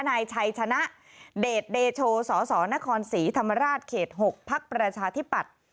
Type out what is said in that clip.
นายชัยชนะเดชเดโชสสนครศรีธรรมราชเขต๖พักประชาธิปัตย์